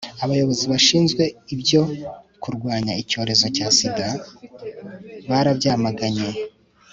abayobozi bashinzwe ibyo kurwanya icyorezo cya sida barabyamaganye